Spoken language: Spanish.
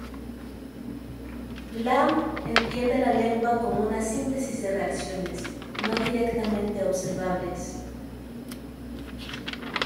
Lamb entiende la lengua como una síntesis de reacciones, no directamente observables.